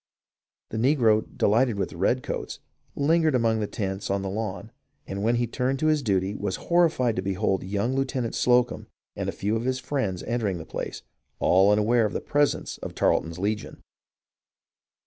The negro, delighted with the redcoats, lingered among the tents on the lawn, and when he turned to his duty was horrified to behold young Lieutenant Slocumb and a few friends entering the place, all unaware of the presence of Tarleton's legion.